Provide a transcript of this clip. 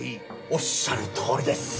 おっしゃるとおりです！